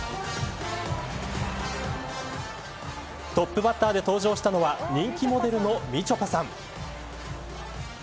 トップバッターで登場したのは人気モデルのみちょぱさん。